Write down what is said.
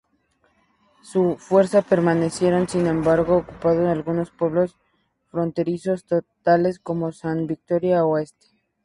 Su fuerzas permanecieron, sin embargo, ocupando algunos pueblos fronterizos, tales como Santa Victoria Oeste.